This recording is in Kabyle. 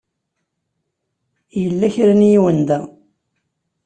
Yella kra n yiwen da.